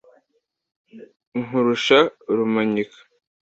nkurusha rumanyika,